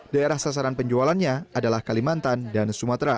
daerah sasaran penjualannya adalah kalimantan dan sumatera